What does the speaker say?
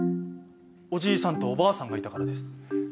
おじいさんとおばあさんがいたからです。